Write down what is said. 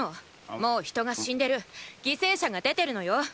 もう人が死んでる犠牲者が出てるのよ！